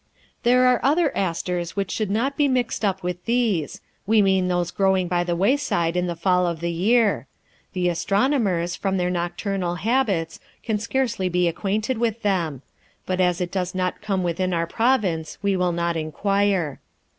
There are other asters which should not be mixed up with these, we mean those growing by the wayside in the fall of the year. The astronomers, from their nocturnal habits, can scarcely be acquainted with them; but as it does not come within our province, we will not inquire.